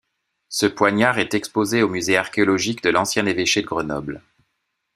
Ce poignard est exposé au Musée Archéologique de l'ancien Evêché de Grenoble.